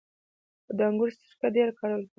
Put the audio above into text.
د انګورو سرکه ډیره کارول کیږي.